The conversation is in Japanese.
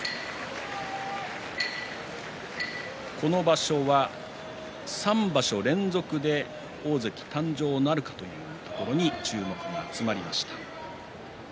この場所は３場所連続で大関誕生なるかというところに注目が集まりました。